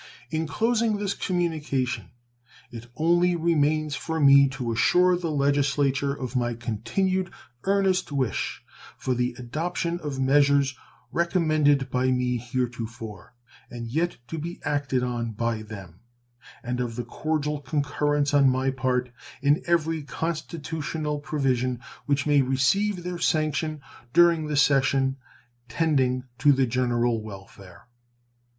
In closing this communication it only remains for me to assure the Legislature of my continued earnest wish for the adoption of measures recommended by me heretofore and yet to be acted on by them, and of the cordial concurrence on my part in every constitutional provision which may receive their sanction during the session tending to the general welfare.